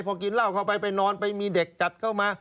พอกินเหล้าเข้าไปไปนอนไปมีเด็กจัดเข้ามา